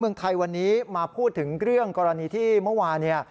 เมืองไทยวันนี้มาพูดถึงเรื่องกรณีที่เมื่อวานเนี่ย